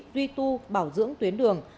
tuy tu bảo dưỡng tuyến đường